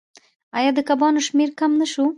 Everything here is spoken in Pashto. آیا د کبانو شمیر کم نشو؟